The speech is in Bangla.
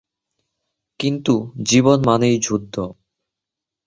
কিন্তু জীবন মানেই যুদ্ধ।